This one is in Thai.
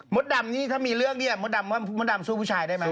มดดำนี่ถ้ามีเรื่องนี้มดดำสู้ผู้ชายได้ไหม